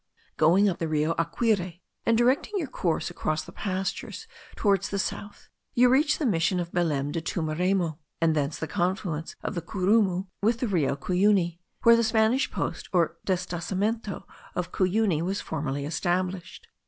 Going up the Rio Aquire, and directing your course across the pastures towards the south, you reach the mission of Belem de Tumeremo, and thence the confluence of the Curumu with the Rio Cuyuni, where the Spanish post or destacamento de Cuyuni was formerly established.